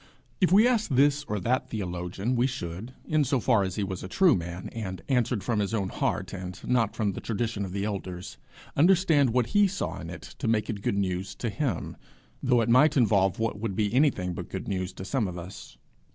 If we asked this or that theologian, we should, in so far as he was a true man, and answered from his own heart and not from the tradition of the elders, understand what he saw in it that made it good news to him, though it might involve what would be anything but good news to some of us.